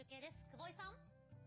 久保井さん！